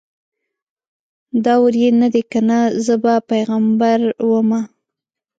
دور یې نه دی کنه زه به پیغمبره ومه